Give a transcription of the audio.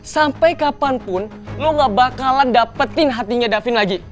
sampai kapanpun lo gak bakalan dapetin hatinya davin lagi